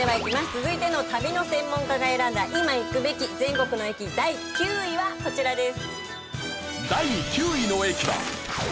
続いての旅の専門家が選んだ今行くべき全国の駅第９位はこちらです。